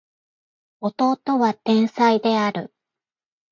弟は天才である